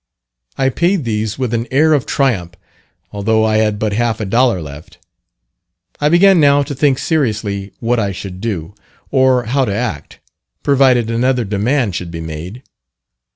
I paid these with an air of triumph, although I had but half a dollar left. I began now to think seriously what I should do, or how to act, provided another demand should be made.